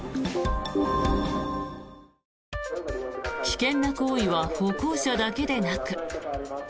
危険な行為は歩行者だけでなく。